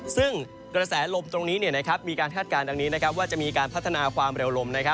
ซึ่งกระแสลมตรงนี้มีการคาดการณ์ดังนี้ว่าจะมีการพัฒนาความเร็วลม